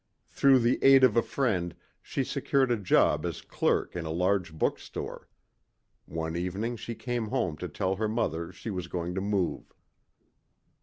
Through the aid of a friend she secured a job as clerk in a large bookstore. One evening she came home to tell her mother she was going to move.